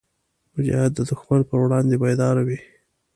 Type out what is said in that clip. مجاهد د دښمن پر وړاندې بیدار وي.